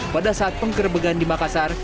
pada saat penggerbegan di makassar